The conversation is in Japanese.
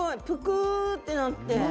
プクってなって。